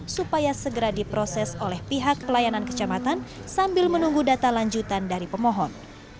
supaya segera diproses oleh pihak pelayanan kecamatan sambil menunggu data lanjutan dari pemohon